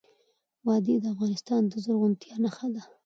وادي د افغانستان د زرغونتیا نښه ده.